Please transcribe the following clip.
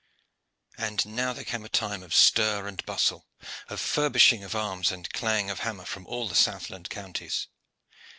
And now there came a time of stir and bustle, of furbishing of arms and clang of hammer from all the southland counties.